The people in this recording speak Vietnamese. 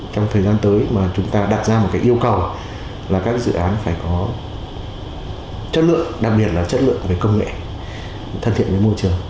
trong thời gian tới mà chúng ta đặt ra một cái yêu cầu là các dự án phải có chất lượng đặc biệt là chất lượng về công nghệ thân thiện với môi trường